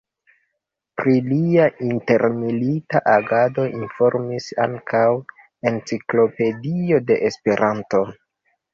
Pri lia intermilita agado informis ankaŭ Enciklopedio de Esperanto.